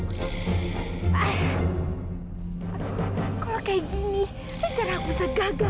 kalau kayak gini rencana aku bisa gagal